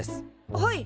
はい。